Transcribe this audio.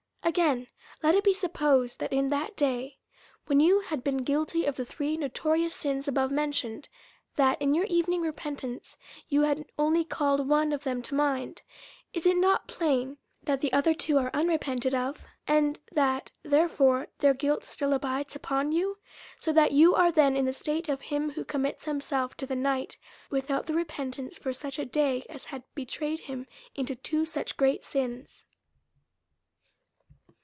Again : Let it be supposed, that, in that day, when you had been guilty of the three notorious sins above mentioned, that, in your evening repentance, you had only called one of them to mind ; is it not plain, that the other two are unrepented of, and that therefore DEVOUT AND HOLY LIFE. 339^ their guilt still abides upon you? So that you are then in the state of him who commits himself to the night without the repentance for such a day, as had betrayed him into two such great sins.